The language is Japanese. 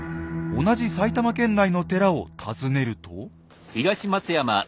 同じ埼玉県内の寺を訪ねると。